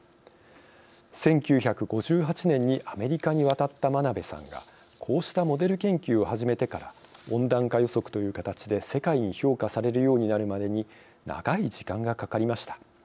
１９５８年にアメリカに渡った真鍋さんがこうしたモデル研究を始めてから温暖化予測という形で世界に評価されるようになるまでに長い時間がかかりました。